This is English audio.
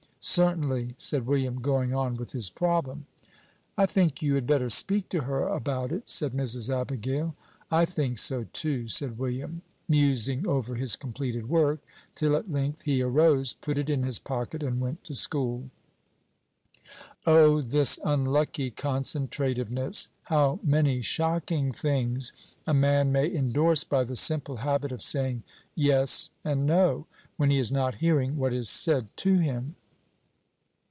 "Certainly," said William, going on with his problem. "I think you had better speak to her about it," said Mrs. Abigail. "I think so too," said William, musing over his completed work, till at length he arose, put it in his pocket, and went to school. O, this unlucky concentrativeness! How many shocking things a man may indorse by the simple habit of saying "Yes" and "No," when he is not hearing what is said to him.